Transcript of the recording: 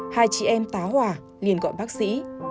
hai chị em tá hỏa liền gọi bác sĩ